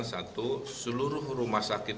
satu seluruh rumah sakit